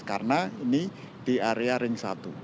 karena ini di area ring satu